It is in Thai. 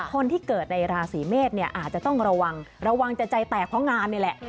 คนที่เกิดในราศีเมษเนี่ยอาจจะต้องระวังระวังจะใจแตกเพราะงานนี่แหละ